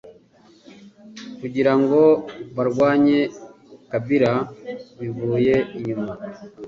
kugira ngo barwanye Kabila bivuye inyuma